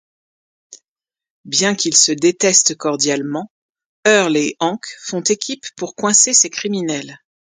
Bien qu'ils se détestent cordialement, Earl et Hank font équipe pour coincer ces criminels.